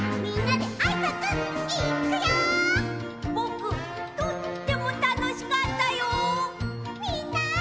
みんな！